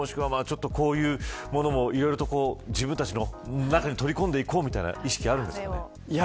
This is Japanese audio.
もしくは、こういうものも自分たちの中に取り込んでいこうみたいな意識はあるんですかね。